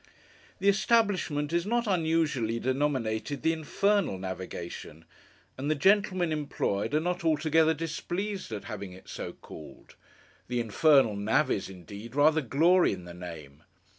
The establishment is not unusually denominated the 'Infernal Navigation', and the gentlemen employed are not altogether displeased at having it so called. The 'Infernal Navvies', indeed, rather glory in the name.